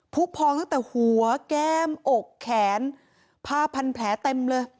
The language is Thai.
ผู้พองตั้งแต่หัวแก้มอกแขนผ้าพันแผลเต็มเลย